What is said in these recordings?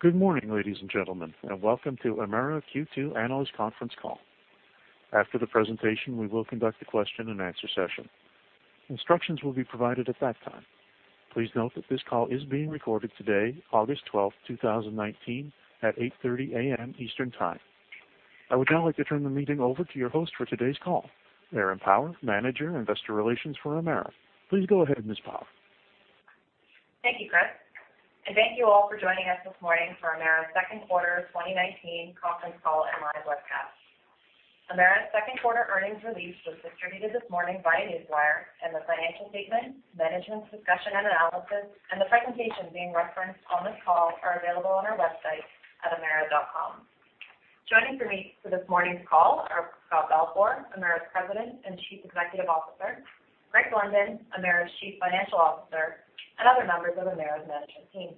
Good morning, ladies and gentlemen, and welcome to Emera Q2 Analyst Conference Call. After the presentation, we will conduct a question-and-answer session. Instructions will be provided at that time. Please note that this call is being recorded today, August 12th, 2019, at 8:30 A.M. Eastern Time. I would now like to turn the meeting over to your host for today's call, Erin Power, Manager, Investor Relations for Emera. Please go ahead, Ms. Power. Thank you, Chris. Thank you all for joining us this morning for Emera's second quarter 2019 conference call and live webcast. Emera's second quarter earnings release was distributed this morning via Newswire, and the financial statement, management's discussion and analysis, and the presentation being referenced on this call are available on our website at emera.com. Joining me for this morning's call are Scott Balfour, Emera's President and Chief Executive Officer, Greg Blunden, Emera's Chief Financial Officer, and other members of Emera's management team.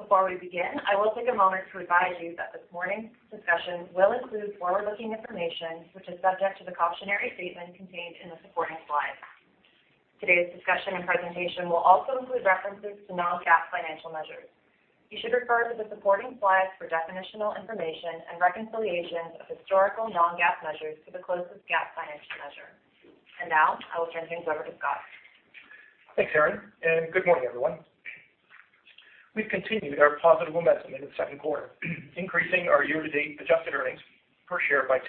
Before we begin, I will take a moment to advise you that this morning's discussion will include forward-looking information, which is subject to the cautionary statement contained in the supporting slides. Today's discussion and presentation will also include references to non-GAAP financial measures. You should refer to the supporting slides for definitional information and reconciliations of historical non-GAAP measures to the closest GAAP financial measure. Now, I will turn things over to Scott. Thanks, Erin, and good morning, everyone. We've continued our positive momentum in the second quarter, increasing our year-to-date adjusted earnings per share by 10%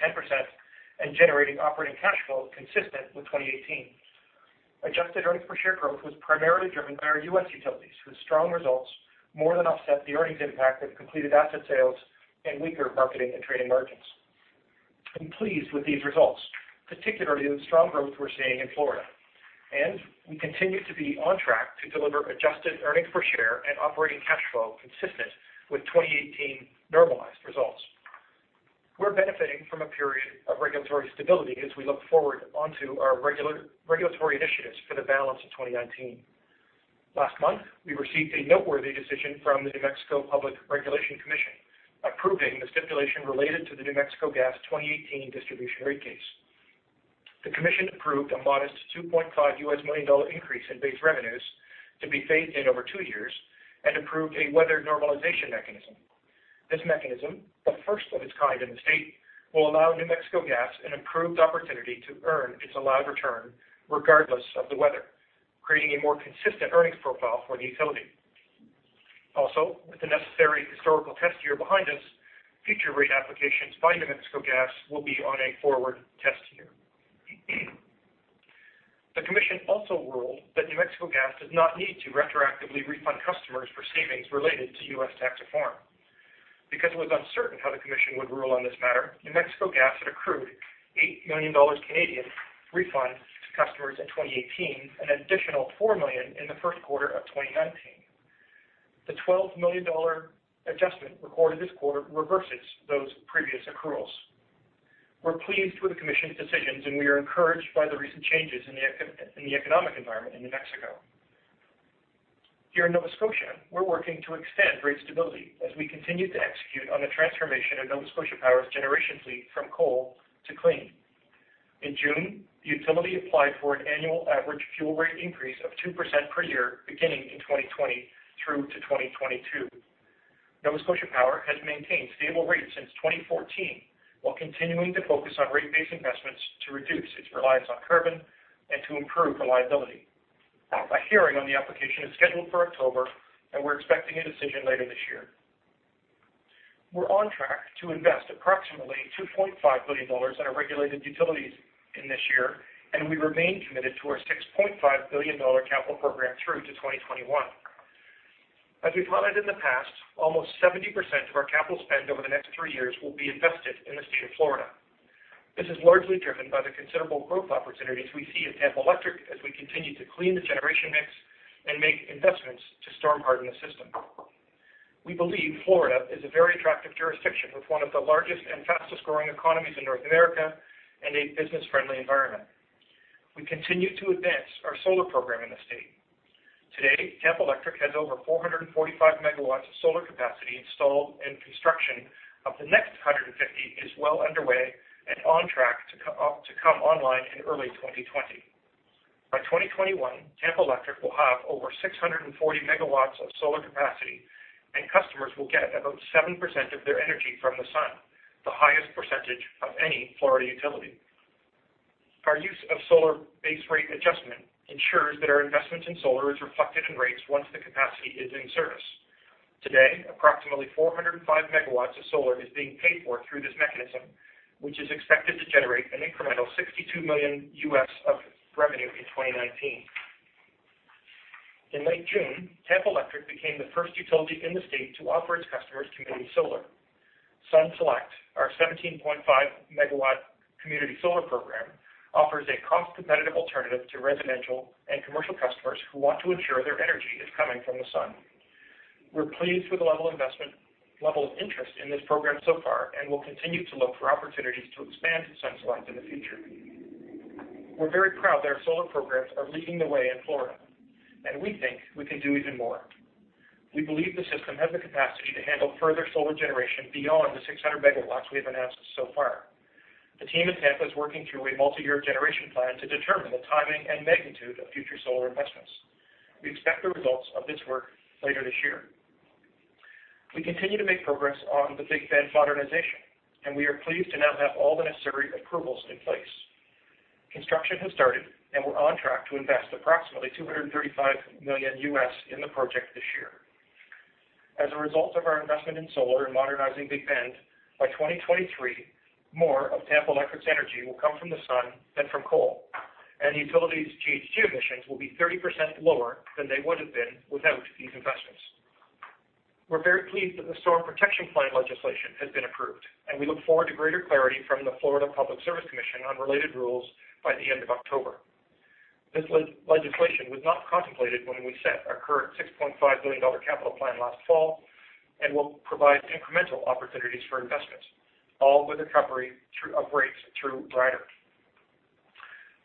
and generating operating cash flow consistent with 2018. Adjusted earnings per share growth was primarily driven by our U.S. utilities, whose strong results more than offset the earnings impact of completed asset sales and weaker marketing and trading margins. I'm pleased with these results, particularly the strong growth we're seeing in Florida. We continue to be on track to deliver adjusted earnings per share and operating cash flow consistent with 2018 normalized results. We're benefiting from a period of regulatory stability as we look forward onto our regulatory initiatives for the balance of 2019. Last month, we received a noteworthy decision from the New Mexico Public Regulation Commission approving the stipulation related to the New Mexico Gas 2018 distribution rate case. The commission approved a modest $2.5 million increase in base revenues to be phased in over two years and approved a weather normalization mechanism. This mechanism, the first of its kind in the state, will allow New Mexico Gas an improved opportunity to earn its allowed return regardless of the weather, creating a more consistent earnings profile for the utility. Also, with the necessary historical test year behind us, future rate applications by New Mexico Gas will be on a forward test year. The commission also ruled that New Mexico Gas does not need to retroactively refund customers for savings related to U.S. tax reform. Because it was uncertain how the commission would rule on this matter, New Mexico Gas had accrued 8 million Canadian dollars refunds to customers in 2018 and an additional 4 million in the first quarter of 2019. The 12 million dollar adjustment recorded this quarter reverses those previous accruals. We're pleased with the commission's decisions, and we are encouraged by the recent changes in the economic environment in New Mexico. Here in Nova Scotia, we're working to extend rate stability as we continue to execute on the transformation of Nova Scotia Power's generation fleet from coal to clean. In June, the utility applied for an annual average fuel rate increase of 2% per year beginning in 2020 through to 2022. Nova Scotia Power has maintained stable rates since 2014 while continuing to focus on rate-based investments to reduce its reliance on carbon and to improve reliability. A hearing on the application is scheduled for October, and we're expecting a decision later this year. We're on track to invest approximately 2.5 billion dollars in our regulated utilities in this year. We remain committed to our 6.5 billion dollar capital program through to 2021. As we've highlighted in the past, almost 70% of our capital spend over the next three years will be invested in the state of Florida. This is largely driven by the considerable growth opportunities we see at Tampa Electric as we continue to clean the generation mix and make investments to storm-harden the system. We believe Florida is a very attractive jurisdiction with one of the largest and fastest-growing economies in North America and a business-friendly environment. We continue to advance our solar program in the state. Today, Tampa Electric has over 445 megawatts of solar capacity installed. Construction of the next 150 is well underway and on track to come online in early 2020. By 2021, Tampa Electric will have over 640 megawatts of solar capacity, and customers will get about 7% of their energy from the sun, the highest percentage of any Florida utility. Our use of solar base rate adjustment ensures that our investment in solar is reflected in rates once the capacity is in service. Today, approximately 405 megawatts of solar is being paid for through this mechanism, which is expected to generate an incremental $62 million of revenue in 2019. In late June, Tampa Electric became the first utility in the state to offer its customers community solar. SunSelect, our 17.5-megawatt community solar program, offers a cost-competitive alternative to residential and commercial customers who want to ensure their energy is coming from the sun. We're pleased with the level of interest in this program so far and will continue to look for opportunities to expand SunSelect in the future. We're very proud that our solar programs are leading the way in Florida, and we think we can do even more. We believe the system has the capacity to handle further solar generation beyond the 600 megawatts we have announced so far. The team in Tampa is working through a multi-year generation plan to determine the timing and magnitude of future solar investments. We expect the results of this work later this year. We continue to make progress on the Big Bend modernization, and we are pleased to now have all the necessary approvals in place. Construction has started, and we're on track to invest approximately $235 million in the project this year. As a result of our investment in solar and modernizing Big Bend, by 2023, more of Tampa Electric's energy will come from the sun than from coal, and the utility's GHG emissions will be 30% lower than they would have been without these investments. We're very pleased that the Storm Protection Plan legislation has been approved, and we look forward to greater clarity from the Florida Public Service Commission on related rules by the end of October. This legislation was not contemplated when we set our current $6.5 billion capital plan last fall and will provide incremental opportunities for investment, all with recovery through rates through riders.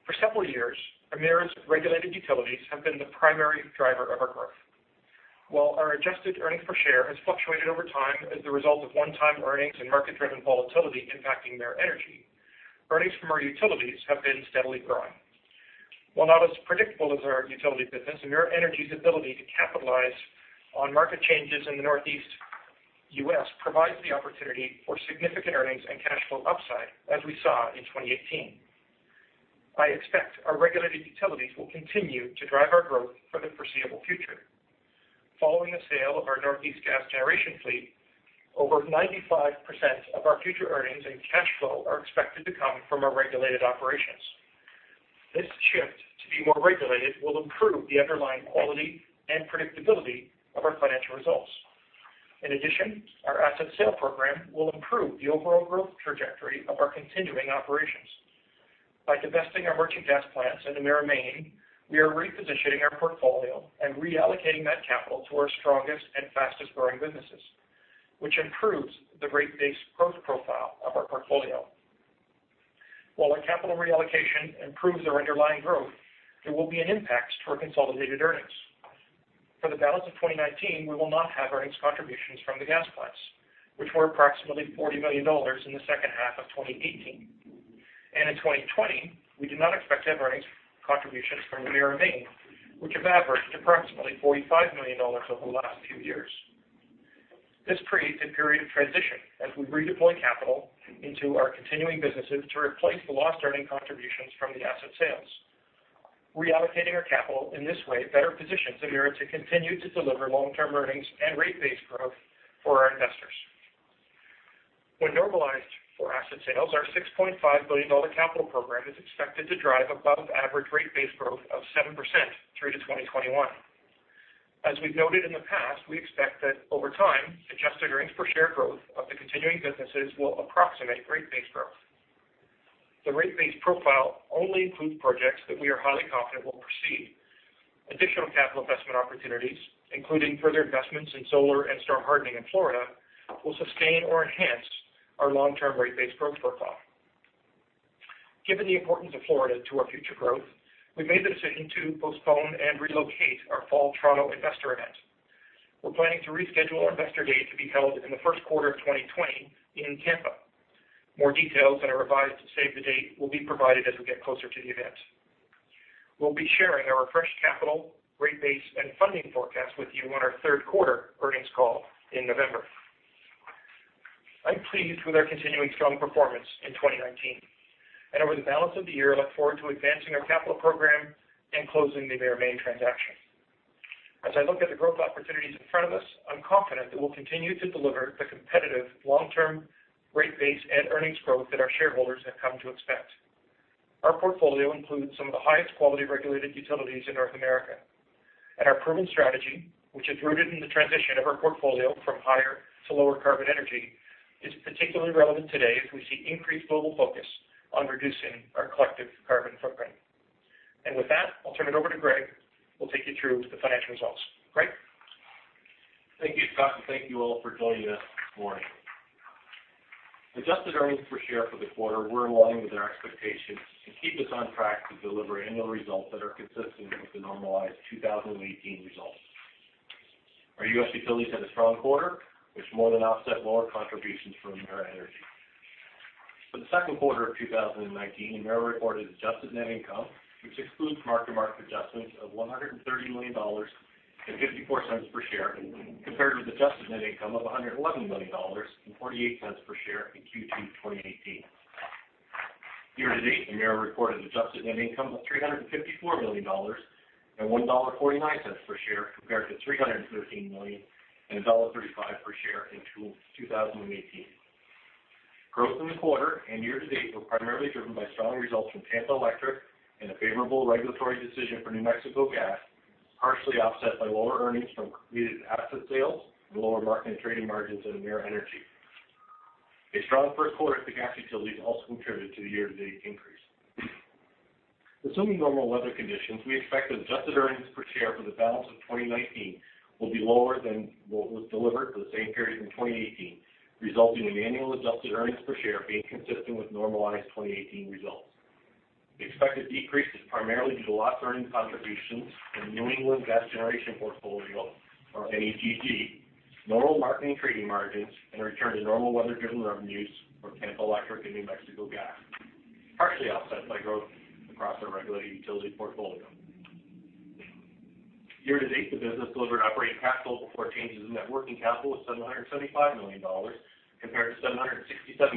For several years, Emera's regulated utilities have been the primary driver of our growth. While our adjusted earnings per share has fluctuated over time as the result of one-time earnings and market-driven volatility impacting Emera Energy, earnings from our utilities have been steadily growing. While not as predictable as our utility business, Emera Energy's ability to capitalize on market changes in the Northeast U.S. provides the opportunity for significant earnings and cash flow upside, as we saw in 2018. I expect our regulated utilities will continue to drive our growth for the foreseeable future. Following the sale of our Northeast gas generation fleet, over 95% of our future earnings and cash flow are expected to come from our regulated operations. This shift to be more regulated will improve the underlying quality and predictability of our financial results. In addition, our asset sale program will improve the overall growth trajectory of our continuing operations. By divesting our merchant gas plants in Emera Maine, we are repositioning our portfolio and reallocating that capital to our strongest and fastest-growing businesses, which improves the rate-based growth profile of our portfolio. While our capital reallocation improves our underlying growth, there will be an impact to our consolidated earnings. For the balance of 2019, we will not have earnings contributions from the gas plants, which were approximately 40 million dollars in the second half of 2018. In 2020, we do not expect to have earnings contributions from Emera Maine, which have averaged approximately 45 million dollars over the last few years. This creates a period of transition as we redeploy capital into our continuing businesses to replace the lost earning contributions from the asset sales. Reallocating our capital in this way better positions Emera to continue to deliver long-term earnings and rate-based growth for our investors. When normalized for asset sales, our 6.5 billion dollar capital program is expected to drive above-average rate-based growth of 7% through to 2021. As we've noted in the past, we expect that over time, adjusted earnings-per-share growth of the continuing businesses will approximate rate-based growth. The rate-based profile only includes projects that we are highly confident will proceed. Additional capital investment opportunities, including further investments in solar and storm hardening in Florida, will sustain or enhance our long-term rate-based growth profile. Given the importance of Florida to our future growth, we've made the decision to postpone and relocate our fall Toronto investor event. We're planning to reschedule our investor day to be held in the first quarter of 2020 in Tampa. More details and a revised save the date will be provided as we get closer to the event. We'll be sharing our refreshed capital, rate base, and funding forecast with you on our third quarter earnings call in November. I'm pleased with our continuing strong performance in 2019. Over the balance of the year, I look forward to advancing our capital program and closing the Emera Maine transaction. As I look at the growth opportunities in front of us, I'm confident that we'll continue to deliver the competitive long-term rate base and earnings growth that our shareholders have come to expect. Our portfolio includes some of the highest quality regulated utilities in North America. Our proven strategy, which is rooted in the transition of our portfolio from higher to lower carbon energy, is particularly relevant today as we see increased global focus on reducing our collective carbon footprint. With that, I'll turn it over to Greg, who will take you through the financial results. Greg? Thank you, Scott, and thank you all for joining us this morning. Adjusted earnings per share for the quarter were in line with our expectations and keep us on track to deliver annual results that are consistent with the normalized 2018 results. Our U.S. utilities had a strong quarter, which more than offset lower contributions from Emera Energy. For the second quarter of 2019, Emera reported adjusted net income, which excludes mark-to-market adjustments of 130 million dollars and 0.54 per share compared with adjusted net income of 111 million dollars and 0.48 per share in Q2 2018. Year-to-date, Emera reported adjusted net income of 354 million dollars and 1.49 dollar per share compared to 313 million and dollar 1.35 per share in 2018. Growth in the quarter and year-to-date were primarily driven by strong results from Tampa Electric and a favorable regulatory decision for New Mexico Gas, partially offset by lower earnings from completed asset sales and lower market and trading margins at Emera Energy. A strong first quarter at the gas utilities also contributed to the year-to-date increase. Assuming normal weather conditions, we expect that adjusted earnings per share for the balance of 2019 will be lower than what was delivered for the same period in 2018, resulting in annual adjusted earnings per share being consistent with normalized 2018 results. The expected decrease is primarily due to loss earnings contributions in New England Gas Generation portfolio, or NEGG, normal marketing trading margins and a return to normal weather-driven revenues for Tampa Electric and New Mexico Gas, partially offset by growth across our regulated utility portfolio. Year-to-date, the business delivered operating capital before changes in net working capital was 775 million dollars, compared to 767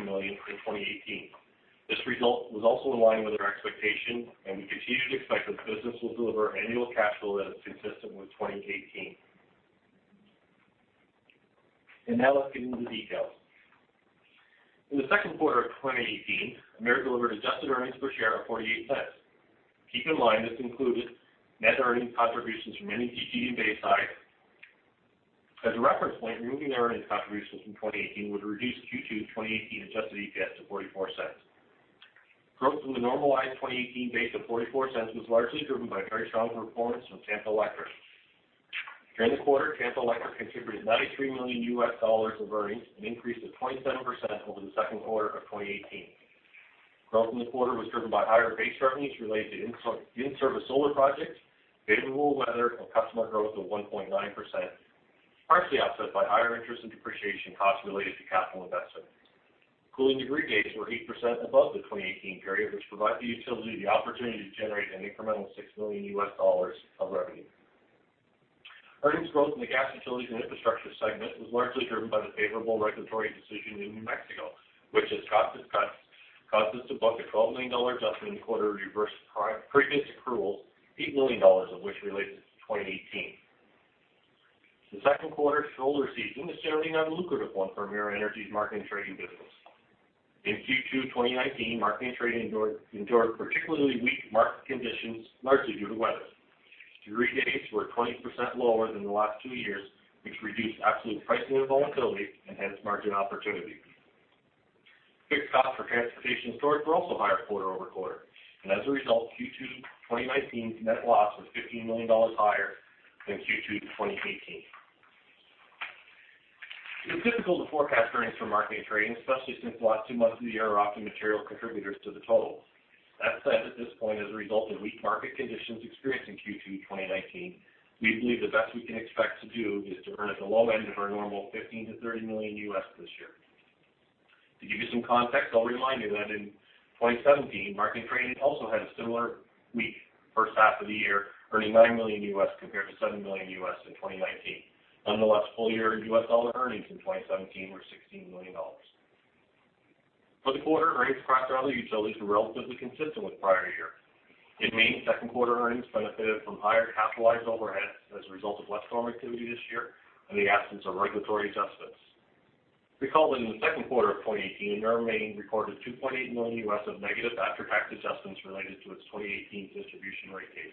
million in 2018. This result was also in line with our expectation. We continue to expect that the business will deliver annual capital that is consistent with 2018. Now let's get into the details. In the second quarter of 2018, Emera delivered adjusted earnings per share of 0.48. Keep in mind, this included net earnings contributions from NEGG and Bayside. As a reference point, removing the earnings contributions from 2018 would reduce Q2 2018 adjusted EPS to 0.44. Growth in the normalized 2018 base of 0.44 was largely driven by very strong performance from Tampa Electric. During the quarter, Tampa Electric contributed $93 million of earnings, an increase of 27% over the second quarter of 2018. Growth in the quarter was driven by higher base revenues related to in-service solar projects, favorable weather, and customer growth of 1.9%, partially offset by higher interest and depreciation costs related to capital investments. Cooling degree days were 8% above the 2018 period, which provided the utility the opportunity to generate an incremental $6 million of revenue. Earnings growth in the gas utilities and infrastructure segment was largely driven by the favorable regulatory decision in New Mexico, which has caused us to book a 12 million dollars adjustment in the quarter to reverse previous accruals, 8 million dollars of which relates to 2018. The second quarter shoulder season is generally not a lucrative one for Emera Energy's marketing trading business. In Q2 2019, marketing trading endured particularly weak market conditions, largely due to weather. Degree days were 20% lower than the last two years, which reduced absolute pricing and volatility and hence margin opportunity. Fixed costs for transportation storage were also higher quarter-over-quarter, and as a result, Q2 2019's net loss was CAD 15 million higher than Q2 2018. It is difficult to forecast earnings for marketing and trading, especially since the last two months of the year are often material contributors to the total. That said, at this point as a result of weak market conditions experienced in Q2 2019, we believe the best we can expect to do is to earn at the low end of our normal $15 million-$30 million this year. To give you some context, I'll remind you that in 2017, marketing trading also had a similar weak first half of the year, earning $9 million compared to $7 million in 2019. Nonetheless, full year US dollar earnings in 2017 were $16 million. For the quarter, earnings across our other utilities were relatively consistent with prior year. In Maine, second quarter earnings benefited from higher capitalized overheads as a result of less storm activity this year and the absence of regulatory adjustments. Recall that in the second quarter of 2018, Emera Maine recorded $2.8 million of negative after-tax adjustments related to its 2018 distribution rate case.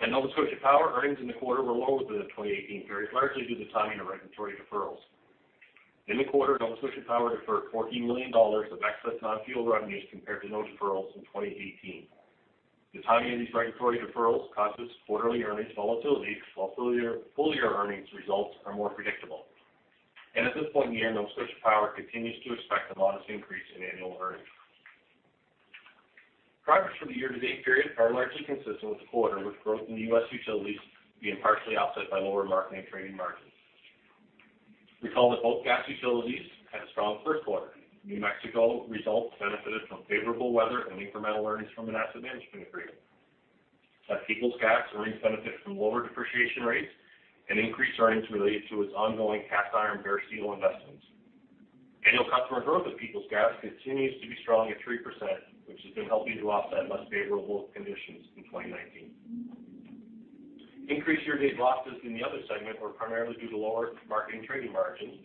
At Nova Scotia Power, earnings in the quarter were lower than the 2018 period, largely due to the timing of regulatory deferrals. In the quarter, Nova Scotia Power deferred 14 million dollars of excess non-fuel revenues compared to no deferrals in 2018. The timing of these regulatory deferrals causes quarterly earnings volatility, while full-year earnings results are more predictable. At this point in the year, Nova Scotia Power continues to expect a modest increase in annual earnings. Drivers for the year-to-date period are largely consistent with the quarter, with growth in the U.S. utilities being partially offset by lower marketing and trading margins. Recall that both gas utilities had a strong first quarter. New Mexico results benefited from favorable weather and incremental earnings from an asset management agreement. At Peoples Gas, earnings benefited from lower depreciation rates and increased earnings related to its ongoing cast iron bare steel investments. Annual customer growth at Peoples Gas continues to be strong at 3%, which has been helping to offset less favorable conditions in 2019. Increased year-to-date losses in the other segment were primarily due to lower marketing trading margins,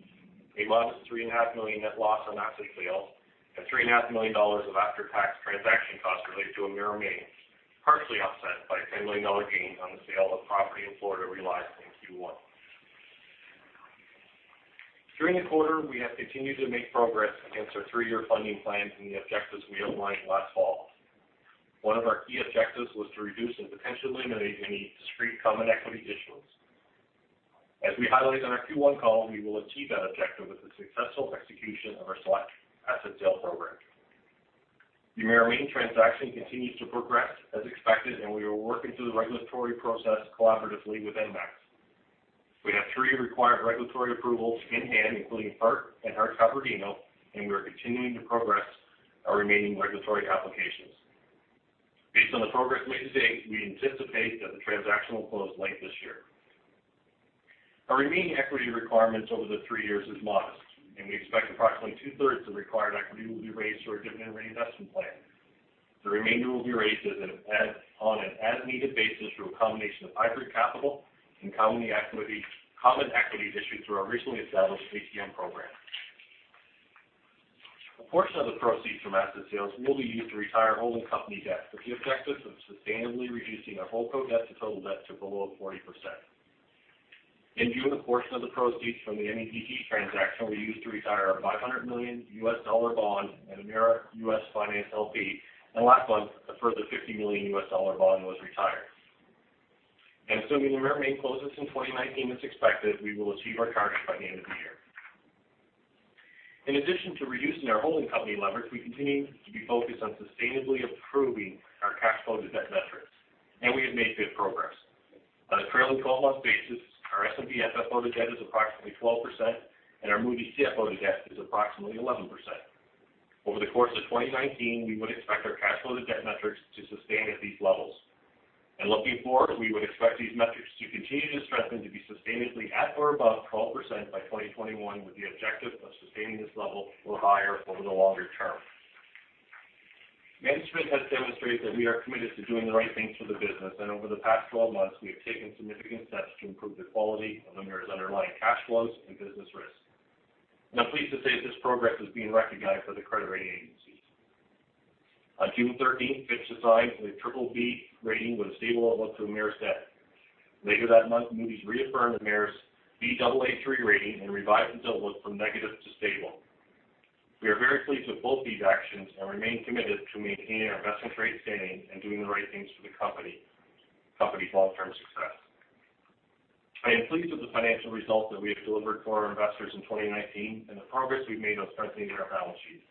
a loss of three and a half million net loss on asset sale, and three and a half million CAD of after-tax transaction costs related to Emera Maine, partially offset by a 10 million dollar gain on the sale of property in Florida realized in Q1. During the quarter, we have continued to make progress against our three-year funding plans and the objectives we outlined last fall. One of our key objectives was to reduce and potentially eliminate any discrete common equity issuance. As we highlighted on our Q1 call, we will achieve that objective with the successful execution of our select asset sale program. The Emera Maine transaction continues to progress as expected, and we are working through the regulatory process collaboratively with ENMAX. We have three required regulatory approvals in hand, including FERC and Hart-Scott-Rodino,. We are continuing to progress our remaining regulatory applications. Based on the progress made to date, we anticipate that the transaction will close late this year. Our remaining equity requirements over the 3 years is modest, and we expect approximately two-thirds of required equity will be raised through our Dividend Reinvestment Plan. The remainder will be raised on an as-needed basis through a combination of hybrid capital and common equity issued through our recently established ATM program. A portion of the proceeds from asset sales will be used to retire holding company debt with the objective of sustainably reducing our HoldCo debt to total debt to below 40%. In June, a portion of the proceeds from the NEGG transaction were used to retire our $500 million bond at Emera US Finance LP. Last month, a further $50 million bond was retired. Assuming Emera Maine closes in 2019 as expected, we will achieve our target by the end of the year. In addition to reducing our holding company leverage, we continue to be focused on sustainably improving our cash flow to debt metrics. We have made good progress. On a trailing 12-month basis, our S&P FFO to debt is approximately 12%. Our Moody's CFO to debt is approximately 11%. Over the course of 2019, we would expect our cash flow to debt metrics to sustain at these levels. Looking forward, we would expect these metrics to continue to strengthen to be sustainably at or above 12% by 2021, with the objective of sustaining this level or higher over the longer term. Management has demonstrated that we are committed to doing the right things for the business, and over the past 12 months, we have taken significant steps to improve the quality of Emera's underlying cash flows and business risk. I'm pleased to say this progress is being recognized by the credit rating agencies. On June 13th, Fitch assigned the BBB rating with a stable outlook to Emera's debt. Later that month, Moody's reaffirmed Emera's Baa3 rating and revised its outlook from negative to stable. We are very pleased with both these actions and remain committed to maintaining our investment-grade standing and doing the right things for the company's long-term success. I am pleased with the financial results that we have delivered for our investors in 2019 and the progress we've made on strengthening our balance sheet.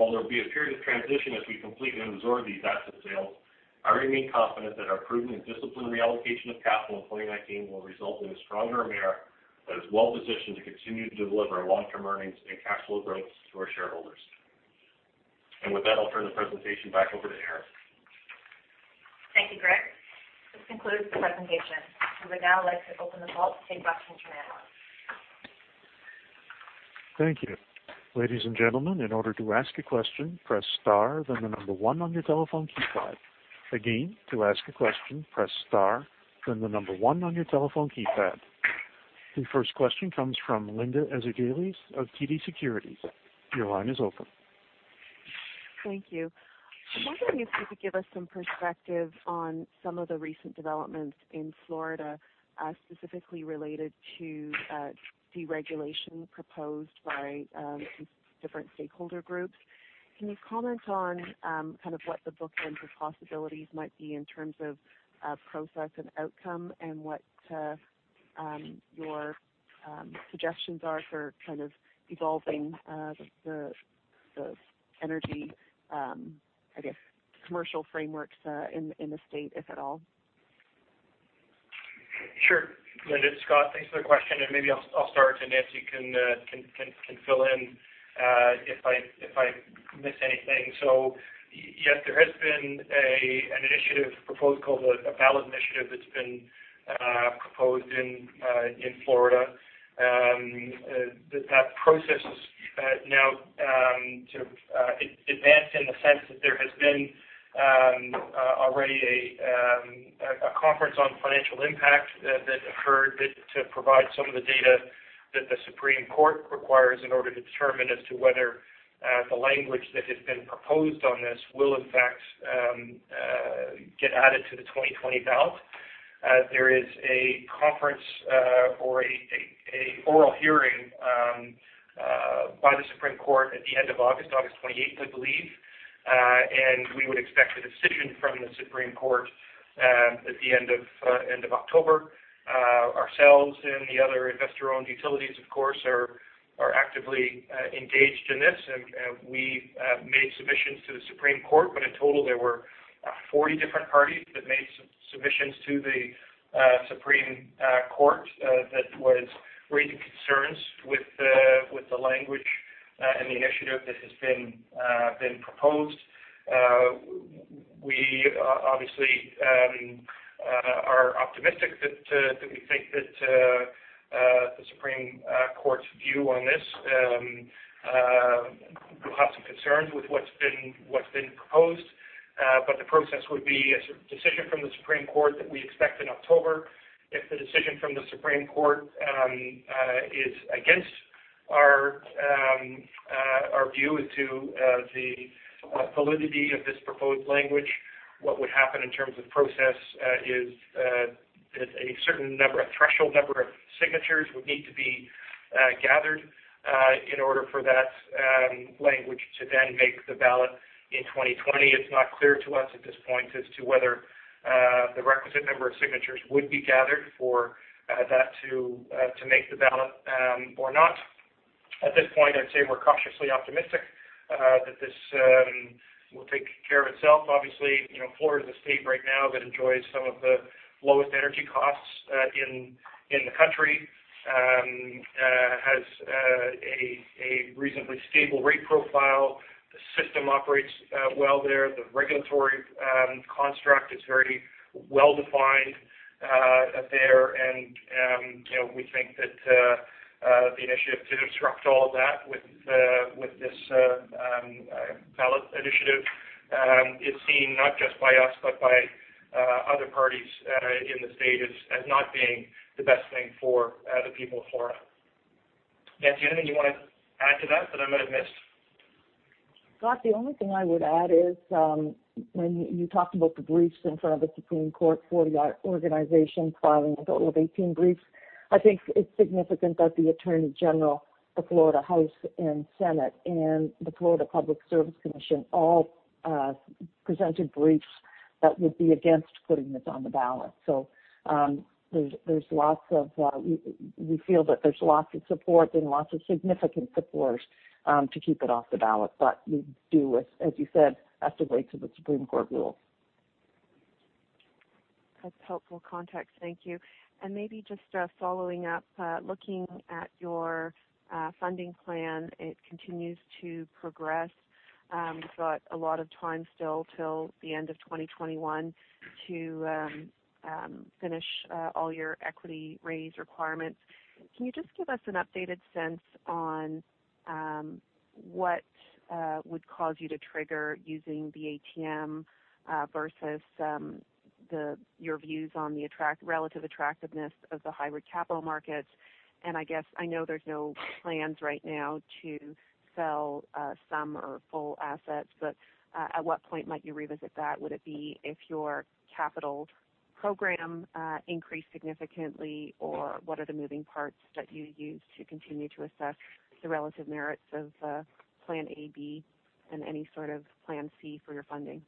While there will be a period of transition as we complete and absorb these asset sales, I remain confident that our prudent and disciplined reallocation of capital in 2019 will result in a stronger Emera that is well-positioned to continue to deliver long-term earnings and cash flow growth to our shareholders. With that, I'll turn the presentation back over to Nancy. Thank you, Greg. This concludes the presentation. We would now like to open the call to take questions from analysts. Thank you. Ladies and gentlemen, in order to ask a question, press star then the number one on your telephone keypad. Again, to ask a question, press star then the number one on your telephone keypad. The first question comes from Linda Ezergailis of TD Securities. Your line is open. Thank you. I'm wondering if you could give us some perspective on some of the recent developments in Florida, specifically related to deregulation proposed by different stakeholder groups. Can you comment on what the bookends of possibilities might be in terms of process and outcome and what your suggestions are for evolving the energy, I guess, commercial frameworks in the state, if at all? Linda, Scott. Thanks for the question. Maybe I'll start, and Nancy can fill in if I miss anything. Yes, there has been an initiative proposal, a ballot initiative that's been proposed in Florida. That process is now advanced in the sense that there has been already a conference on financial impact that occurred to provide some of the data that the Supreme Court requires in order to determine as to whether the language that has been proposed on this will in fact get added to the 2020 ballot. There is a conference or an oral hearing by the Supreme Court at the end of August 28th, I believe. We would expect a decision from the Supreme Court at the end of October. Ourselves and the other Investor-Owned Utilities, of course, are actively engaged in this. We made submissions to the Supreme Court. In total, there were 40 different parties that made submissions to the Supreme Court that was raising concerns with the language and the initiative that has been proposed. We obviously are optimistic that we think that the Supreme Court's view on this will have some concerns with what's been proposed. The process would be a decision from the Supreme Court that we expect in October. If the decision from the Supreme Court is against our view as to the validity of this proposed language, what would happen in terms of process is a certain number, a threshold number of signatures would need to be gathered in order for that language to then make the ballot in 2020. It's not clear to us at this point as to whether the requisite number of signatures would be gathered for that to make the ballot or not. At this point, I'd say we're cautiously optimistic that this will take care of itself. Obviously, Florida is a state right now that enjoys some of the lowest energy costs in the country. Has a reasonably stable rate profile. The system operates well there. The regulatory construct is very well-defined there. We think that the initiative to disrupt all of that with this ballot initiative is seen not just by us but by other parties in the state as not being the best thing for the people of Florida. Nancy, anything you want to add to that I might have missed? Scott, the only thing I would add is when you talked about the briefs in front of the Supreme Court, 40 organizations filing a total of 18 briefs. I think it's significant that the attorney general, the Florida House and Senate, and the Florida Public Service Commission all presented briefs that would be against putting this on the ballot. We feel that there's lots of support and lots of significant support to keep it off the ballot. We do, as you said, have to wait till the Supreme Court rules. That's helpful context. Thank you. Maybe just following up, looking at your funding plan, it continues to progress. You've got a lot of time still till the end of 2021 to finish all your equity raise requirements. Can you just give us an updated sense on what would cause you to trigger using the ATM versus your views on the relative attractiveness of the hybrid capital markets, and I know there's no plans right now to sell some or full assets, but at what point might you revisit that? Would it be if your capital program increased significantly, or what are the moving parts that you use to continue to assess the relative merits of plan A, B, and any sort of plan C for your funding?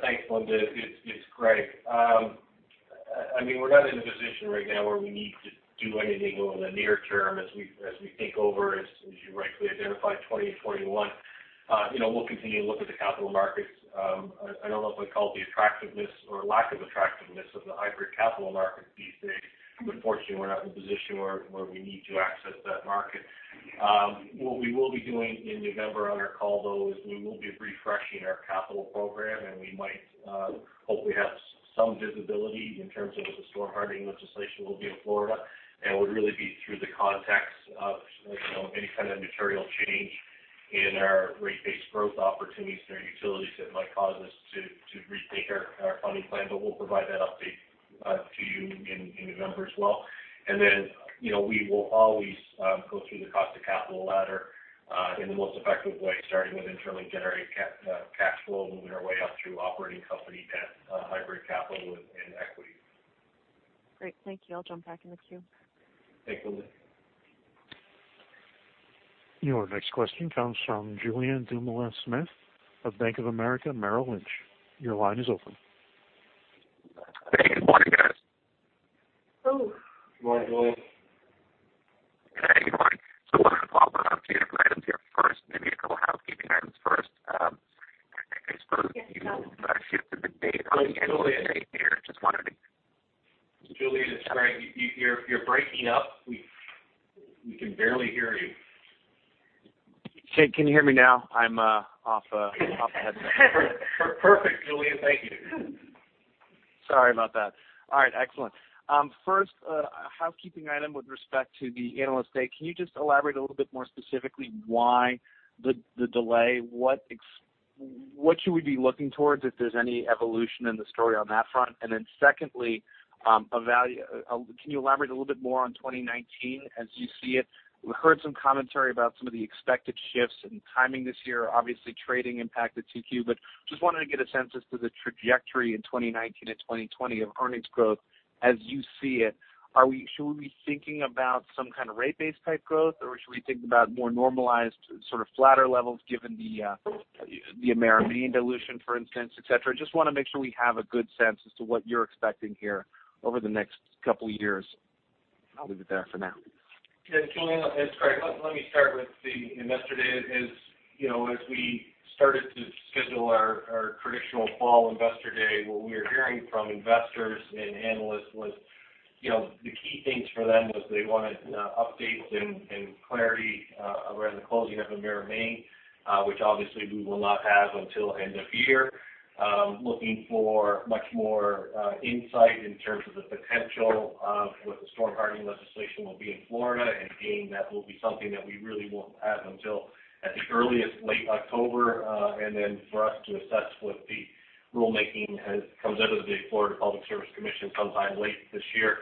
Thanks, Linda. It's Greg. We're not in a position right now where we need to do anything over the near term as we think over, as you rightly identified 2021. We'll continue to look at the capital markets. I don't know if we'd call it the attractiveness or lack of attractiveness of the hybrid capital markets these days, but fortunately, we're not in a position where we need to access that market. What we will be doing in November on our call, though, is we will be refreshing our capital program, and we might hopefully have some visibility in terms of what the storm hardening legislation will be in Florida, and would really be through the context of any kind of material change in our rate-based growth opportunities in our utilities that might cause us to retake our funding plan. We'll provide that update to you in November as well. We will always go through the cost of capital ladder in the most effective way, starting with internally generating cash flow and moving our way up through operating company debt, hybrid capital and equity. Great. Thank you. I'll jump back in the queue. Thanks, Linda. Your next question comes from Julien Dumoulin-Smith of Bank of America Merrill Lynch. Your line is open. Hey, good morning, guys. Oh. Good morning, Julien. Hey, good morning. I want to follow up on a few of the items here first, maybe a couple of housekeeping items first. Yes, go ahead. Shifted the date on the Analyst Day here. Just wondering. Julien, it's Greg. You're breaking up. We can barely hear you. Okay. Can you hear me now? I'm off a headset. Perfect, Julien. Thank you. Sorry about that. All right, excellent. First, a housekeeping item with respect to the Analyst Day. Can you just elaborate a little bit more specifically why the delay? What should we be looking towards if there's any evolution in the story on that front? Secondly, can you elaborate a little bit more on 2019 as you see it? We heard some commentary about some of the expected shifts in timing this year, obviously trading impacted 2Q. Just wanted to get a sense as to the trajectory in 2019 and 2020 of earnings growth as you see it. Should we be thinking about some kind of rate base type growth, or should we think about more normalized sort of flatter levels given the Emera Maine dilution, for instance, et cetera? Just want to make sure we have a good sense as to what you're expecting here over the next couple of years. I'll leave it there for now. Julien, it's Greg. Let me start with the Investor Day. As we started to schedule our traditional fall Investor Day, what we were hearing from investors and analysts was the key things for them was they wanted updates and clarity around the closing of Emera Maine, which obviously we will not have until end of year. Looking for much more insight in terms of the potential of what the storm hardening legislation will be in Florida and again, that will be something that we really won't have until at the earliest, late October, and then for us to assess what the rulemaking as it comes out of the Florida Public Service Commission sometime late this year.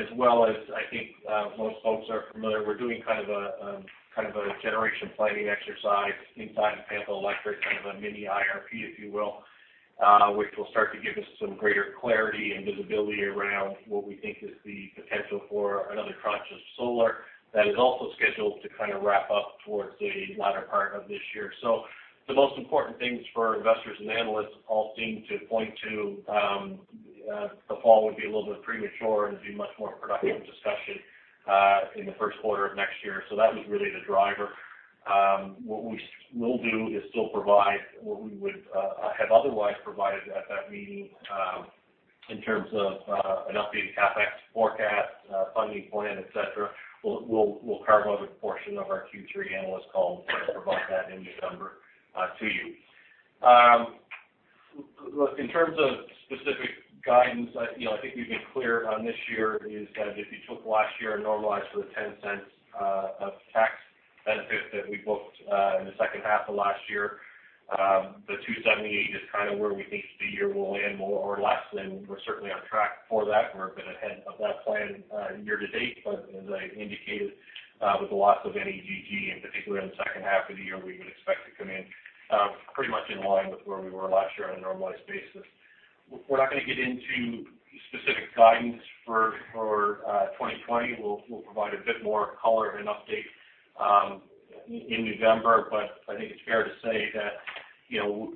As well as I think most folks are familiar, we're doing a generation planning exercise inside of Tampa Electric, kind of a mini IRP, if you will, which will start to give us some greater clarity and visibility around what we think is the potential for another tranche of solar that is also scheduled to wrap up towards the latter part of this year. The most important things for investors and analysts all seem to point to the fall would be a little bit premature and it'd be a much more productive discussion in the first quarter of next year. That was really the driver. What we will do is still provide what we would have otherwise provided at that meeting, in terms of an updated CapEx forecast, funding plan, et cetera. We'll carve out a portion of our Q3 analyst call to provide that in December to you. Look, in terms of specific guidance, I think we've been clear on this year is that if you took last year and normalized for the 0.10 of tax benefit that we booked in the second half of last year, the 2.78 is kind of where we think the year will end more or less, and we're certainly on track for that and we've been ahead of that plan year to date. As I indicated with the loss of NEGG, in particular in the second half of the year, we would expect to come in pretty much in line with where we were last year on a normalized basis. We're not going to get into specific guidance for 2020. We'll provide a bit more color and update in November. I think it's fair to say that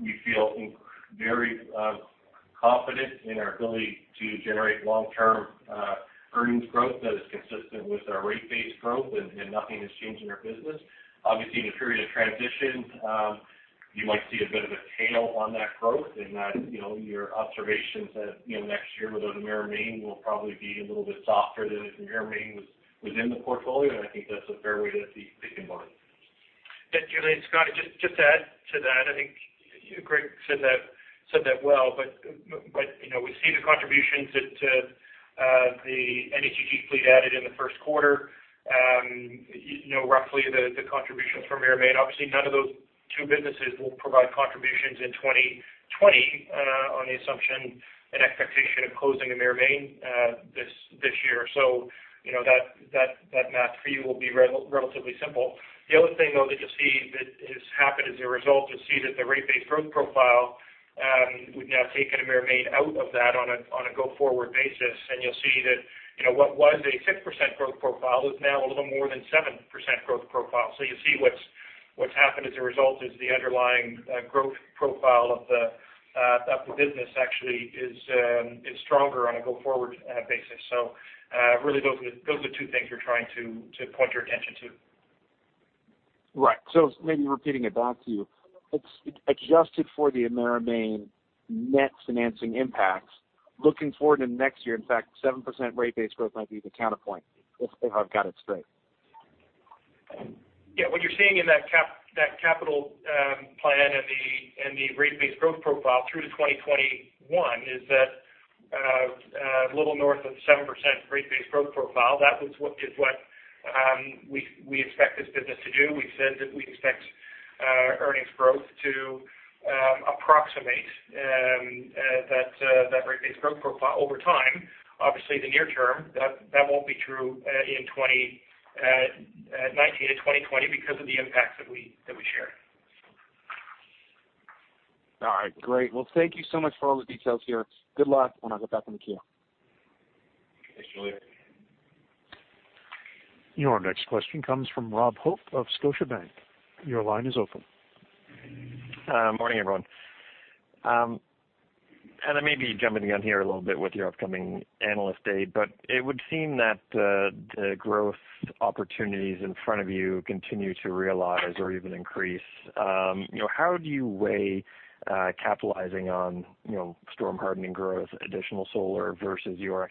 we feel very confident in our ability to generate long-term earnings growth that is consistent with our rate base growth. Nothing has changed in our business. Obviously, in a period of transition, you might see a bit of a tail on that growth and that your observations that next year without Emera Maine will probably be a little bit softer than if Emera Maine was in the portfolio. I think that's a fair way to think about it. Thanks, Julien. Scott, just to add to that, I think Greg said that well. We see the contributions that the NEGG fleet added in the first quarter. You know roughly the contributions from Emera Maine. None of those two businesses will provide contributions in 2020 on the assumption and expectation of closing Emera Maine this year. That math for you will be relatively simple. The other thing, though, that you'll see that has happened as a result is that the rate base growth profile would now have taken Emera Maine out of that on a go-forward basis. You'll see that what was a 6% growth profile is now a little more than 7% growth profile. You see what's happened as a result is the underlying growth profile of the business actually is stronger on a go-forward basis. Really those are the two things we're trying to point your attention to. Right. Maybe repeating it back to you. It's adjusted for the Emera Maine net financing impacts looking forward into next year. In fact, 7% rate base growth might be the counterpoint, if I've got it straight. Yeah, what you're seeing in that capital plan and the rate base growth profile through to 2021 is that a little north of 7% rate base growth profile. That is what we expect this business to do. We said that we expect earnings growth to approximate that rate base growth profile over time. Obviously, the near term, that won't be true in 2019 to 2020 because of the impacts that we shared. All right, great. Thank you so much for all the details here. Good luck, and I'll hop back on the queue. Thanks, Julien. Your next question comes from Rob Hope of Scotiabank. Your line is open. Morning, everyone. I may be jumping the gun here a little bit with your upcoming Analyst Day, but it would seem that the growth opportunities in front of you continue to realize or even increase. How do you weigh capitalizing on storm hardening growth, additional solar, versus your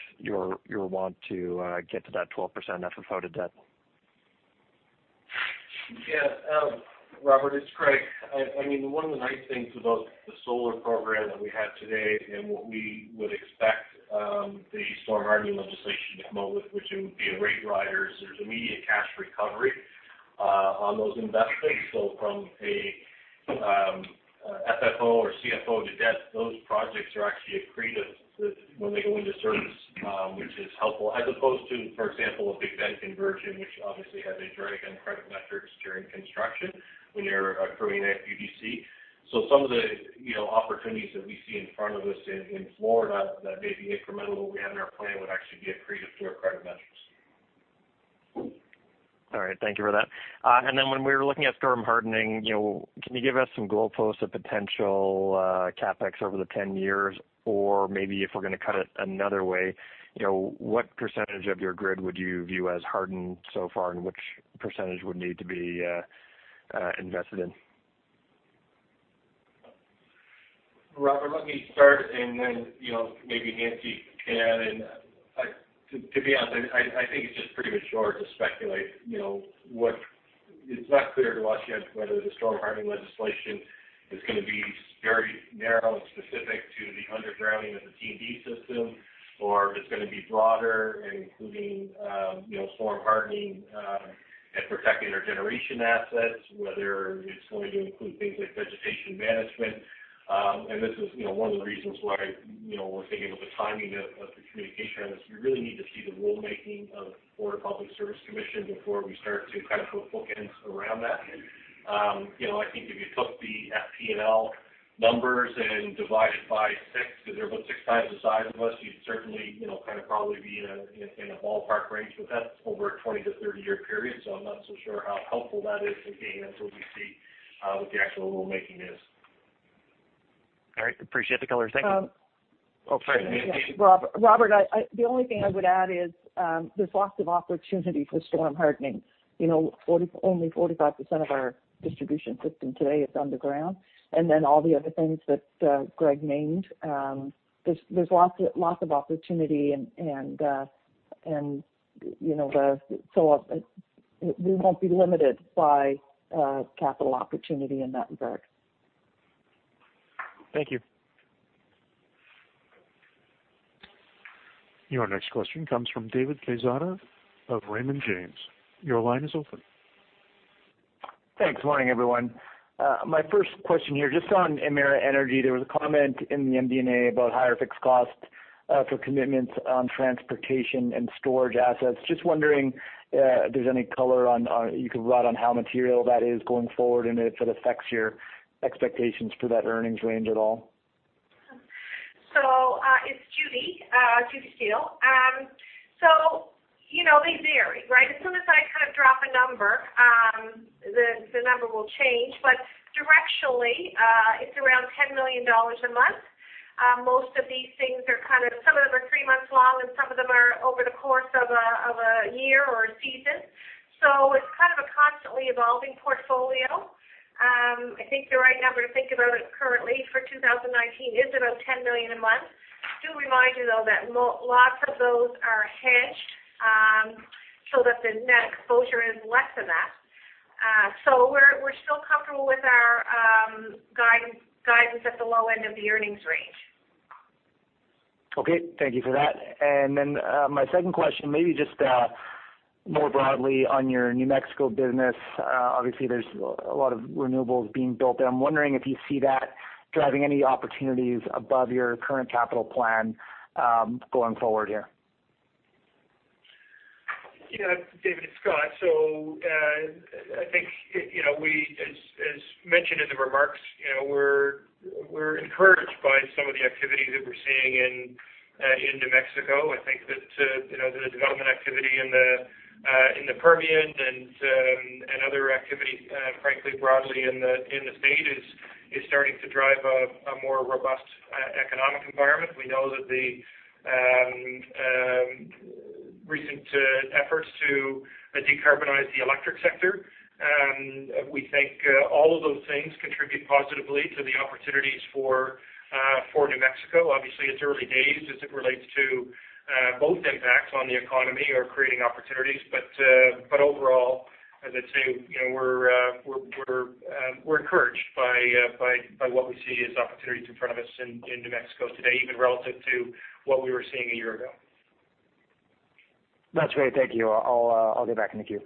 want to get to that 12% FFO to debt? Yeah. Robert, it's Greg. One of the nice things about the solar program that we have today and what we would expect the storm hardening legislation to come out with, which it would be a rate rider. There's immediate cash recovery on those investments. From a FFO or CFO to debt, those projects are actually accretive when they go into service, which is helpful as opposed to, for example, a Big Bend conversion, which actually has a drag on credit metrics during construction when you're accruing AFUDC. Some of the opportunities that we see in front of us in Florida that may be incremental that we have in our plan would actually be accretive to our credit metrics. All right. Thank you for that. When we were looking at storm hardening, can you give us some goalposts of potential CapEx over the 10 years? Maybe if we're going to cut it another way, what percentage of your grid would you view as hardened so far, and which percentage would need to be invested in? Robert, let me start and then maybe Nancy can add in. To be honest, I think it's just premature to speculate. It's not clear to us yet whether the storm hardening legislation is going to be very narrow and specific to the undergrounding of the T&D system, or if it's going to be broader, including storm hardening and protecting our generation assets, whether it's going to include things like vegetation management. This is one of the reasons why we're thinking of the timing of the communication on this. We really need to see the rulemaking of the Florida Public Service Commission before we start to put bookends around that. I think if you took the FPL numbers and divided by six, because they're about six times the size of us, you'd certainly probably be in a ballpark range with us over a 20- to 30-year period. I'm not so sure how helpful that is in being able to see what the actual rulemaking is. All right. Appreciate the color. Thank you. Robert, the only thing I would add is there's lots of opportunity for storm hardening. Only 45% of our distribution system today is underground. All the other things that Greg named, there's lots of opportunity. We won't be limited by capital opportunity in that regard. Thank you. Your next question comes from David Quezada of Raymond James. Your line is open. Thanks. Morning, everyone. My first question here, just on Emera Energy. There was a comment in the MD&A about higher fixed costs for commitments on transportation and storage assets. Just wondering if there's any color you could provide on how material that is going forward, and if it affects your expectations for that earnings range at all? It's Judy. Judy Steele. They vary. Right? As soon as I drop a number, the number will change, but directionally, it's around 10 million dollars a month. Most of these things, some of them are three months long, and some of them are over the course of a year or a season. It's a constantly evolving portfolio. I think the right number to think about it currently for 2019 is about 10 million a month. I do remind you, though, that lots of those are hedged, so that the net exposure is less than that. We're still comfortable with our guidance at the low end of the earnings range. Okay. Thank you for that. My second question, maybe just more broadly on your New Mexico business. Obviously, there's a lot of renewables being built there. I'm wondering if you see that driving any opportunities above your current capital plan going forward here. David, it's Scott. I think as mentioned in the remarks, we're encouraged by some of the activity that we're seeing in New Mexico. I think that the development activity in the Permian and other activities, frankly, broadly in the state is starting to drive a more robust economic environment. We know that the recent efforts to decarbonize the electric sector. We think all of those things contribute positively to the opportunities for New Mexico. Obviously, it's early days as it relates to both impacts on the economy or creating opportunities. Overall, as I say, we're encouraged by what we see as opportunities in front of us in New Mexico today, even relative to what we were seeing a year ago. That's great. Thank you. I'll get back in the queue.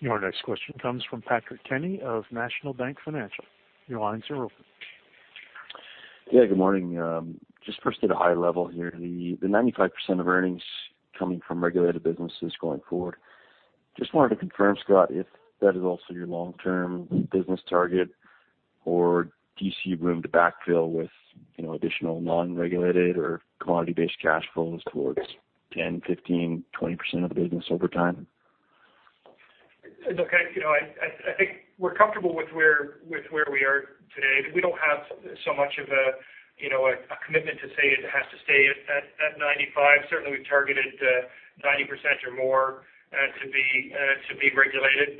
Your next question comes from Patrick Kenny of National Bank Financial. Your lines are open. Yeah, good morning. Just first at a high level here, the 95% of earnings coming from regulated businesses going forward, just wanted to confirm, Scott, if that is also your long-term business target or do you see room to backfill with additional non-regulated or commodity-based cash flows towards 10, 15, 20% of the business over time? Look, I think we're comfortable with where we are today. We don't have so much of a commitment to say it has to stay at 95%. Certainly, we've targeted 90% or more to be regulated.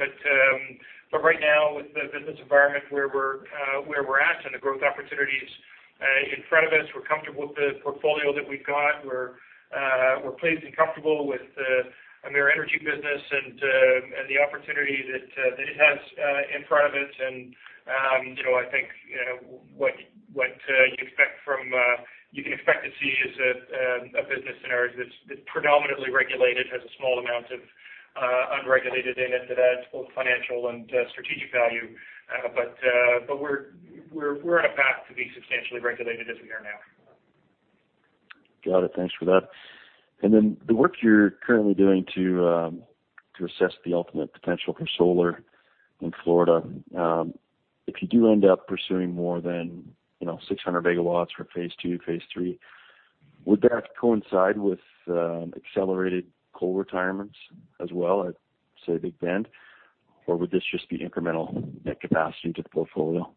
Right now, with the business environment where we're at and the growth opportunities in front of us, we're comfortable with the portfolio that we've got. We're pleased and comfortable with the Emera Energy business and the opportunity that it has in front of it. I think what you can expect to see is a business scenario that's predominantly regulated, has a small amount of unregulated in it that adds both financial and strategic value. We're on a path to be substantially regulated as we are now. Got it. Thanks for that. The work you're currently doing to assess the ultimate potential for solar in Florida. If you do end up pursuing more than 600 megawatts for phase II, phase III, would that coincide with accelerated coal retirements as well at, say, Big Bend? Would this just be incremental net capacity to the portfolio?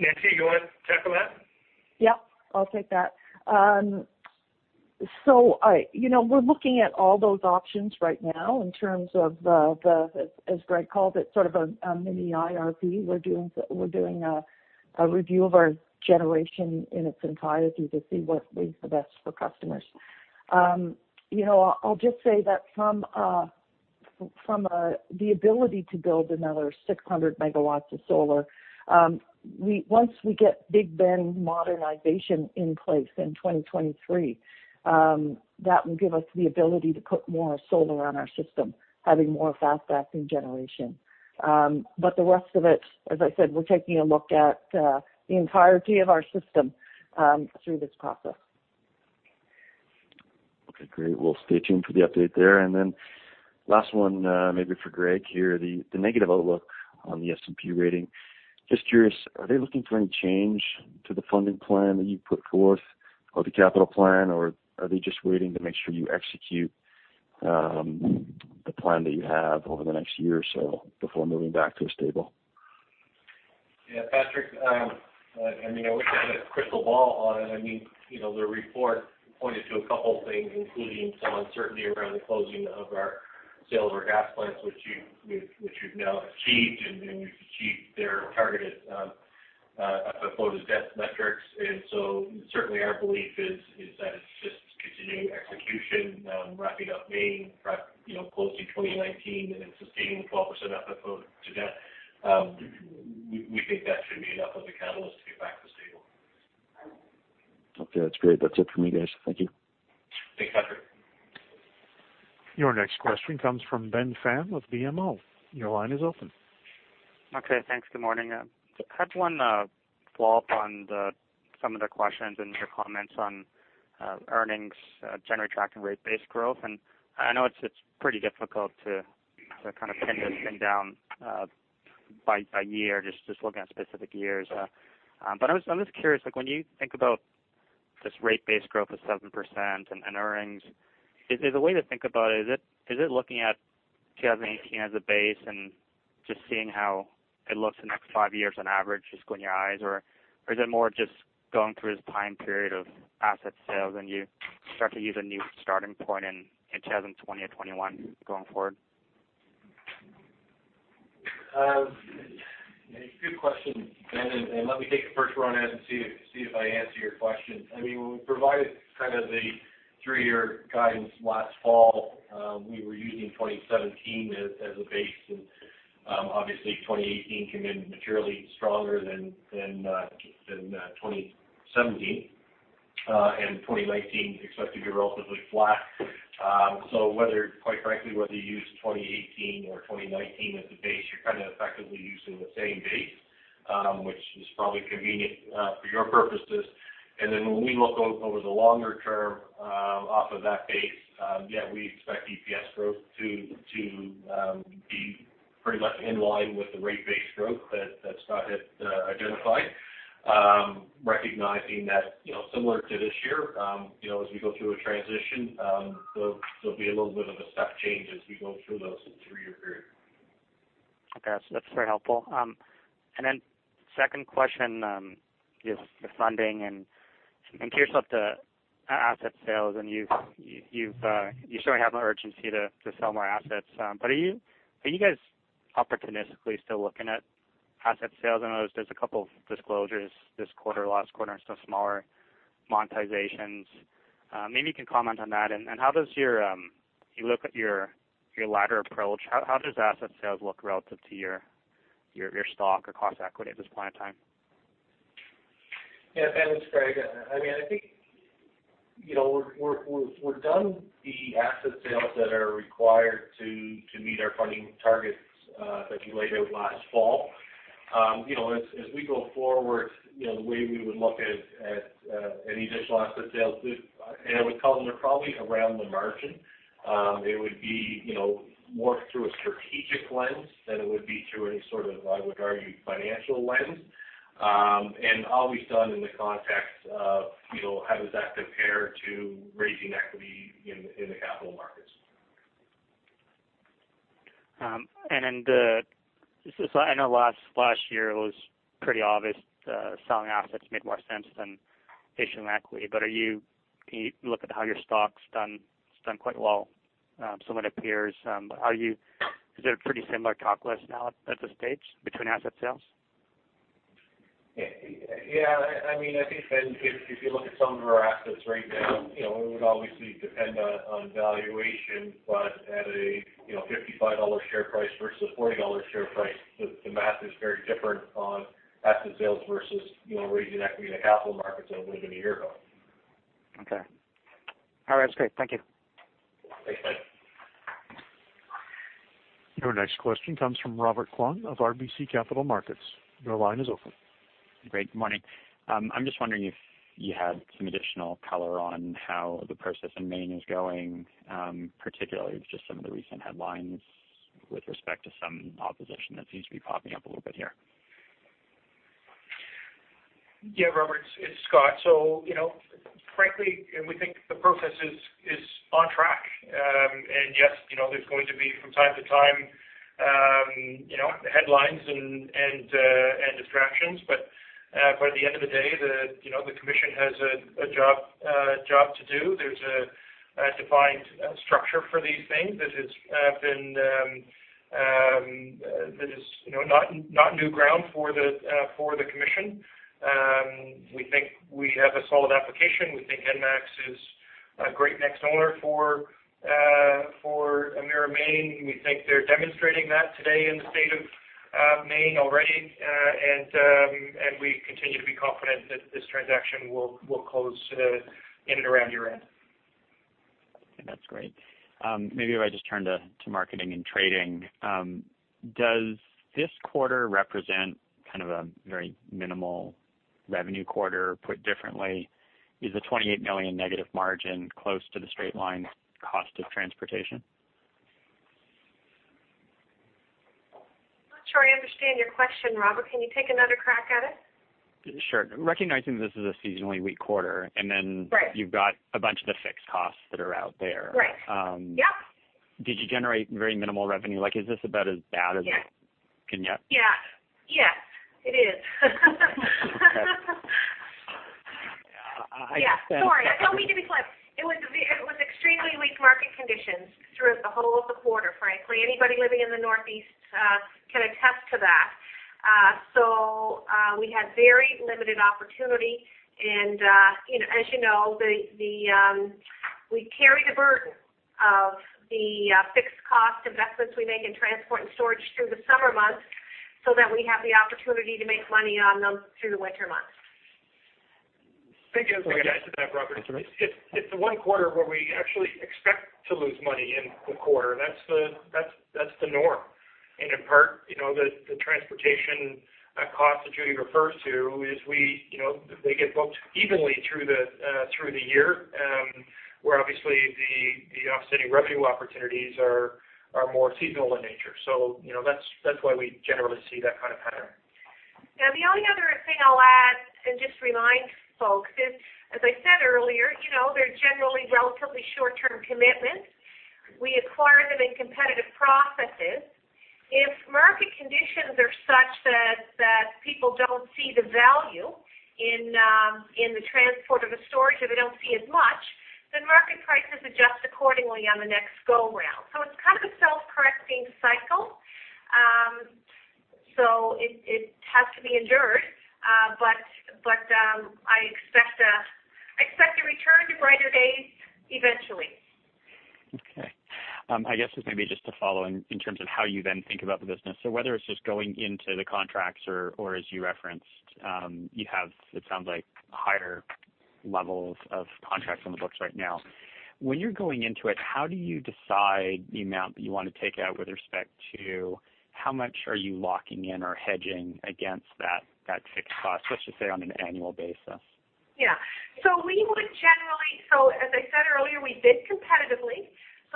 Nancy, you want to tackle that? Yep, I'll take that. We're looking at all those options right now in terms of, as Greg called it, sort of a mini IRP. We're doing a review of our generation in its entirety to see what makes the best for customers. I'll just say that from the ability to build another 600 megawatts of solar. Once we get Big Bend modernization in place in 2023, that will give us the ability to put more solar on our system, having more fast acting generation. The rest of it, as I said, we're taking a look at the entirety of our system through this process. Okay, great. We'll stay tuned for the update there. Last one, maybe for Greg here, the negative outlook on the S&P rating. Just curious, are they looking for any change to the funding plan that you've put forth or the capital plan, or are they just waiting to make sure you execute the plan that you have over the next year or so before moving back to a stable? Yeah, Patrick, I wish I had a crystal ball on it. The report pointed to a couple of things, including some uncertainty around the closing of our sale of our gas plants, which we've now achieved, and we've achieved their targeted FFO to debt metrics. Certainly our belief is that it's just continuing execution, wrapping up Maine, closing 2019, and then sustaining the 12% FFO to debt. We think that should be enough of a catalyst to get back to stable. Okay, that's great. That's it for me, guys. Thank you. Thanks, Patrick. Your next question comes from Ben Pham of BMO. Your line is open. Okay, thanks. Good morning. I just had one follow-up on some of the questions and your comments on earnings generate tracking rate-based growth. I know it's pretty difficult to pin this thing down by year, just looking at specific years. I'm just curious, when you think about this rate-based growth of 7% and earnings, is the way to think about it, is it looking at 2018 as a base and just seeing how it looks the next five years on average, just in your eyes? Is it more just going through this time period of asset sales, and you start to use a new starting point in 2020 or 2021 going forward? It's a good question, Ben, and let me take the first run at it and see if I answer your question. When we provided the 3-year guidance last fall, we were using 2017 as the base. Obviously 2018 came in materially stronger than 2017, and 2019 is expected to be relatively flat. Quite frankly, whether you use 2018 or 2019 as the base, you're effectively using the same base, which is probably convenient for your purposes. Then when we look over the longer term off of that base, yeah, we expect EPS growth to be pretty much in line with the rate-based growth that Scott had identified. Recognizing that similar to this year, as we go through a transition, there'll be a little bit of a step change as we go through those 3-year periods. Okay. That's very helpful. Second question is the funding. I'm curious about the asset sales. You certainly have an urgency to sell more assets. Are you guys opportunistically still looking at asset sales? I know there's a couple of disclosures this quarter, last quarter, some smaller monetizations. Maybe you can comment on that. You look at your ladder approach. How does asset sales look relative to your stock or cost equity at this point in time? Yeah, Ben, it's Greg. I think we're done the asset sales that are required to meet our funding targets that you laid out last fall. As we go forward, the way we would look at any additional asset sales, and I would call them, they're probably around the margin. It would be more through a strategic lens than it would be through any sort of, I would argue, financial lens. Always done in the context of how does that compare to raising equity in the capital markets. I know last year it was pretty obvious that selling assets made more sense than issuing equity. You look at how your stock's done quite well. Is there a pretty similar calculus now at this stage between asset sales? Yeah. I think, Ben, if you look at some of our assets right now, it would obviously depend on valuation, but at a 55 dollars share price versus a 40 dollars share price, the math is very different on asset sales versus raising equity in the capital markets than it would've been a year ago. Okay. All right. That's great. Thank you. Thanks, Ben. Your next question comes from Robert Kwan of RBC Capital Markets. Your line is open. Great. Good morning. I'm just wondering if you had some additional color on how the process in Maine is going, particularly with just some of the recent headlines with respect to some opposition that seems to be popping up a little bit here. Robert, it's Scott. Frankly, we think the process is on track. Yes, there's going to be from time to time headlines and distractions. At the end of the day, the commission has a job to do. There's a defined structure for these things. This is not new ground for the commission. We think we have a solid application. We think ENMAX is a great next owner for Emera Maine. We think they're demonstrating that today in the state of Maine already. We continue to be confident that this transaction will close in and around year-end. That's great. Maybe if I just turn to marketing and trading. Does this quarter represent a very minimal revenue quarter? Put differently, is the 28 million negative margin close to the straight-line cost of transportation? I'm not sure I understand your question, Robert. Can you take another crack at it? Sure. Recognizing this is a seasonally weak quarter. Right you've got a bunch of the fixed costs that are out there. Right. Yep. Did you generate very minimal revenue? Is this about as bad as it- Yes. Yep. Yeah. It is. Okay. Yeah. Sorry. Don't mean to be flip. It was extremely weak market conditions through the whole of the quarter, frankly. Anybody living in the Northeast can attest to that. We had very limited opportunity and, as you know, we carry the burden of the fixed cost investments we make in transport and storage through the summer months so that we have the opportunity to make money on them through the winter months. Maybe I'll add to that, Robert. It's the one quarter where we actually expect to lose money in the quarter. That's the norm. In part, the transportation cost that Judy refers to, they get booked evenly through the year, where obviously the offsetting revenue opportunities are more seasonal in nature. That's why we generally see that kind of pattern. The only other thing I'll add, and just remind folks is, as I said earlier, they're generally relatively short-term commitments. We acquire them in competitive processes. If market conditions are such that people don't see the value in the transport of a storage, or they don't see as much, then market prices adjust accordingly on the next go-round. It's kind of a self-correcting cycle. It has to be endured. I expect a return to brighter days eventually. I guess this may be just a follow in terms of how you then think about the business. Whether it's just going into the contracts or as you referenced, you have, it sounds like higher levels of contracts on the books right now. When you're going into it, how do you decide the amount that you want to take out with respect to how much are you locking in or hedging against that fixed cost, let's just say, on an annual basis? Yeah. As I said earlier, we bid competitively.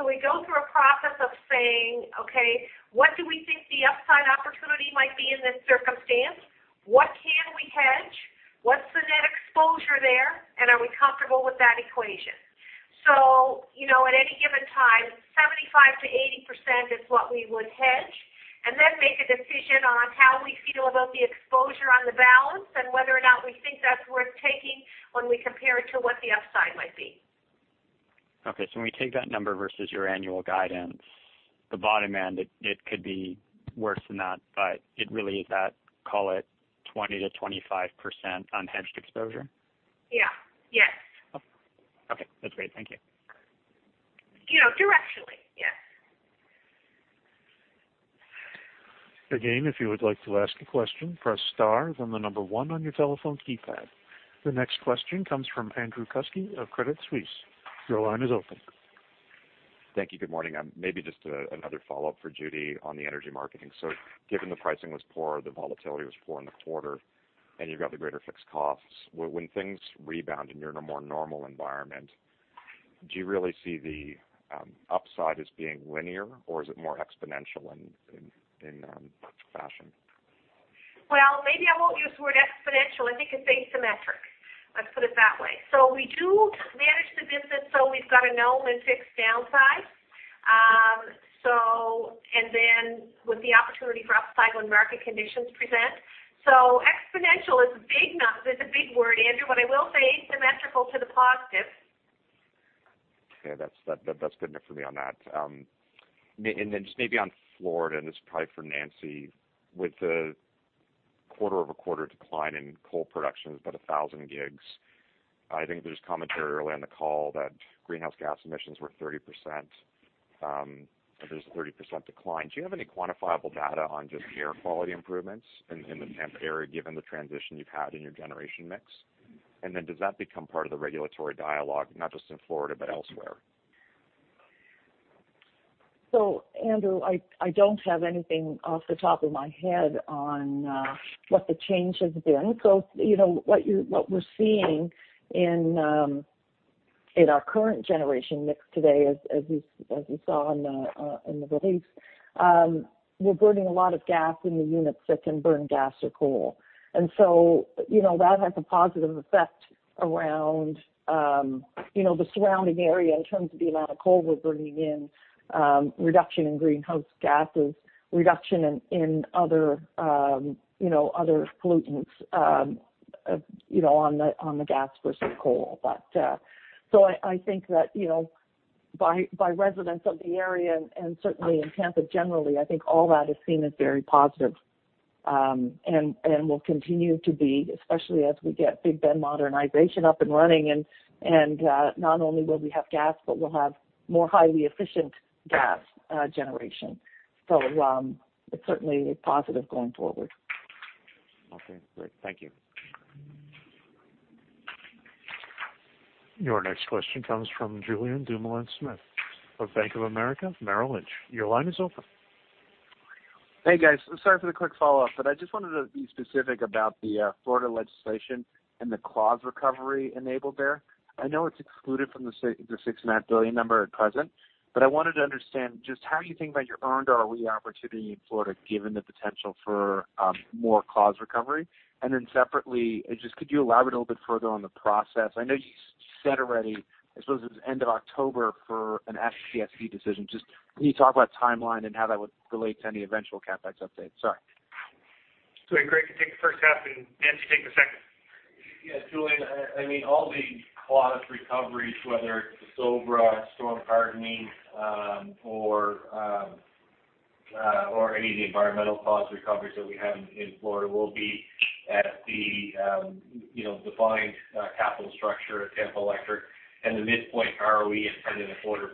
We go through a process of saying, okay, what do we think the upside opportunity might be in this circumstance? What can we hedge? What's the net exposure there? Are we comfortable with that equation? At any given time, 75%-80% is what we would hedge, and then make a decision on how we feel about the exposure on the balance and whether or not we think that's worth taking when we compare it to what the upside might be. Okay. When we take that number versus your annual guidance, the bottom end, it could be worse than that, but it really is that, call it 20%-25% unhedged exposure? Yeah. Yes. Okay. That's great. Thank you. Directionally, yes. Again, if you would like to ask a question, press star, then the number one on your telephone keypad. The next question comes from Andrew Kuske of Credit Suisse. Your line is open. Thank you. Good morning. Maybe just another follow-up for Judy on the energy marketing. Given the pricing was poor, the volatility was poor in the quarter, and you've got the greater fixed costs. When things rebound and you're in a more normal environment, do you really see the upside as being linear, or is it more exponential in fashion? Well, maybe I won't use the word exponential. I think it's asymmetric. Let's put it that way. We do manage the business, so we've got a known and fixed downside. Then with the opportunity for upside when market conditions present. Exponential is a big word, Andrew. What I will say, asymmetrical to the positive. Okay. That's good enough for me on that. Just maybe on Florida, and this is probably for Nancy. With the quarter-over-quarter decline in coal production, about 1,000 gigs. I think there's commentary earlier in the call that greenhouse gas emissions were 30%, there's a 30% decline. Do you have any quantifiable data on just the air quality improvements in the Tampa area, given the transition you've had in your generation mix? Does that become part of the regulatory dialogue, not just in Florida, but elsewhere? Andrew, I don't have anything off the top of my head on what the change has been. What we're seeing in our current generation mix today, as you saw in the release, we're burning a lot of gas in the units that can burn gas or coal. That has a positive effect around the surrounding area in terms of the amount of coal we're burning in, reduction in greenhouse gases, reduction in other pollutants on the gas versus coal. I think that by residents of the area and certainly in Tampa generally, I think all that is seen as very positive, and will continue to be, especially as we get Big Bend modernization up and running. Not only will we have gas, but we'll have more highly efficient gas generation. It's certainly a positive going forward. Okay, great. Thank you. Your next question comes from Julien Dumoulin-Smith of Bank of America Merrill Lynch. Your line is open. Hey, guys. Sorry for the quick follow-up. I just wanted to be specific about the Florida legislation and the clause recovery enabled there. I know it's excluded from the $6.5 billion number at present, but I wanted to understand just how you think about your earned ROE opportunity in Florida, given the potential for more clause recovery. Separately, just could you elaborate a little bit further on the process? I know you said already, I suppose it was end of October for an FPSC decision. Just can you talk about timeline and how that would relate to any eventual CapEx update? Sorry. Greg can take the first half, and Nancy take the second. Yes, Julien. All the clause recoveries, whether it's the SoBRA, storm hardening, or any of the environmental clause recoveries that we have in Florida will be at the defined capital structure at Tampa Electric. The midpoint ROE is 10.25%.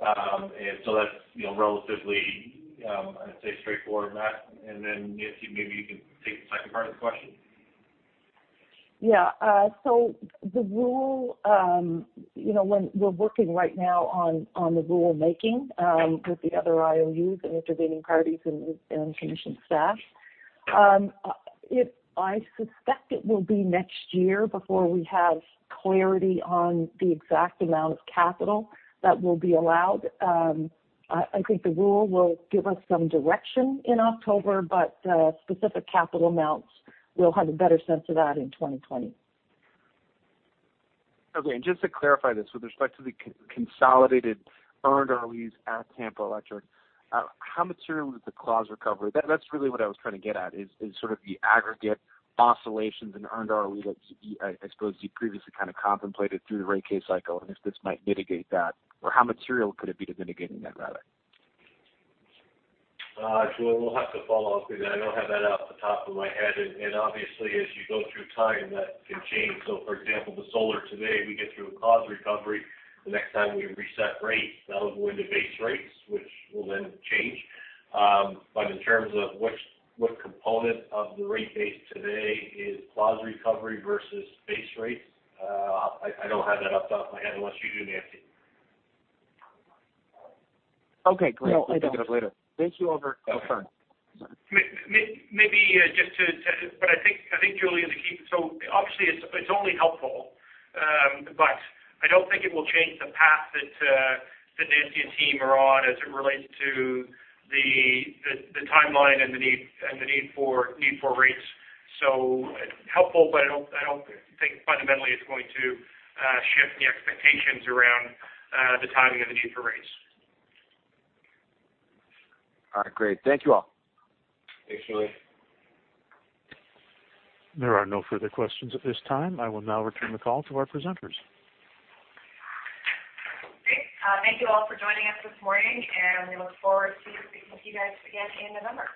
That's relatively, I'd say, straightforward, Matt. Then Nancy, maybe you can take the second part of the question. Yeah. The rule, we're working right now on the rule making with the other IOUs and intervening parties and commission staff. I suspect it will be next year before we have clarity on the exact amount of capital that will be allowed. I think the rule will give us some direction in October, but specific capital amounts, we'll have a better sense of that in 2020. Okay. Just to clarify this, with respect to the consolidated earned ROEs at Tampa Electric, how material is the clause recovery? That's really what I was trying to get at, is sort of the aggregate oscillations in earned ROE that, I suppose, you previously contemplated through the rate case cycle, and if this might mitigate that. How material could it be to mitigating that, rather? Julien, we'll have to follow up with that. I don't have that off the top of my head. Obviously, as you go through time, that can change. For example, the solar today, we get through a clause recovery. The next time we reset rates, that'll go into base rates, which will then change. In terms of what component of the rate base today is clause recovery versus base rates, I don't have that off the top of my head, unless you do, Nancy. Okay, great. No, I don't. I'll pick it up later. Thank you. Over. Oh, sorry. I think, Julien, obviously, it's only helpful. I don't think it will change the path that Nancy and team are on as it relates to the timeline and the need for rates. It's helpful, but I don't think fundamentally it's going to shift the expectations around the timing of the need for rates. All right, great. Thank you all. Thanks, Julia. There are no further questions at this time. I will now return the call to our presenters. Great. Thank you all for joining us this morning, and we look forward to speaking to you guys again in November.